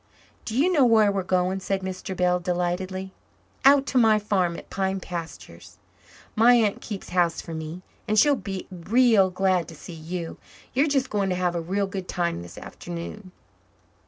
"Do you know where we're going?" said Mr. Bell delightedly. "Out to my farm at Pine Pastures. My aunt keeps house for me, and she'll be real glad to see you. You're just going to have a real good time this afternoon."